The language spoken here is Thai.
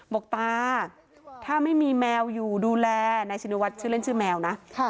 บอกตาถ้าไม่มีแมวอยู่ดูแลนายชินวัฒนชื่อเล่นชื่อแมวนะ